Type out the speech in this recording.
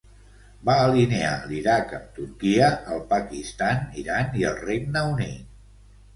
Va alinear l'Iraq amb Turquia, el Pakistan, Iran i el Regne Unit.